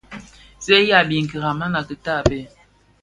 Sèghi a biňkira, mana kitabè.